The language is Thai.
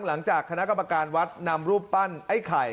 หลังจากคณะกรรมการวัดนำรูปปั้นไอ้ไข่